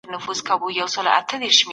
دا شورا به د خپلواکۍ د ساتلو لاره غوره کړي.